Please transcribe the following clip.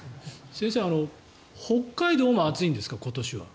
先生北海道も暑いんですか、今年は。